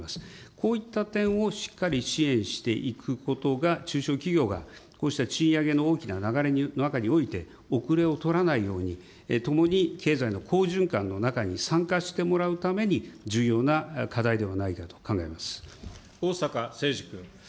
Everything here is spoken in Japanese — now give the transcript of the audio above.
こういった点をしっかり支援していくことが中小企業がこうした賃上げの大きな流れの中において、後れを取らないように、共に経済の好循環の中に参加してもらうために、重要な課題ではな逢坂誠二君。